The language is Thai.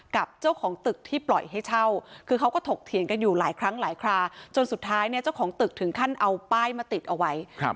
กับเจ้าของตึกที่ปล่อยให้เช่าคือเขาก็ถกเถียงกันอยู่หลายครั้งหลายคราจนสุดท้ายเนี่ยเจ้าของตึกถึงขั้นเอาป้ายมาติดเอาไว้